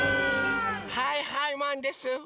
はいはいマンです！